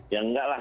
ya enggak lah